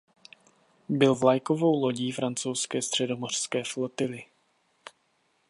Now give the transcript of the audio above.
Byl vlajkovou lodí francouzské středomořské flotily.